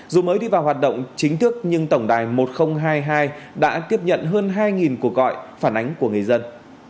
dù mới đi vào hoạt động chính thức nhưng tổng đài một nghìn hai mươi hai đã tiếp nhận hơn hai cuộc gọi phản ánh của người dân